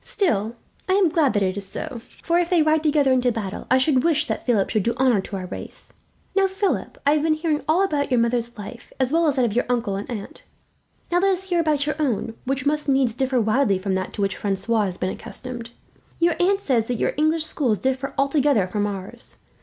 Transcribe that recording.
Still, I am glad that it is so; for if they ride together into battle, I should wish that Philip should do honour to our race. "Now, Philip, I have been hearing all about your mother's life, as well as that of your uncle and aunt. Now let us hear about your own, which must needs differ widely from that to which Francois has been accustomed. Your aunt says that your English schools differ altogether from ours.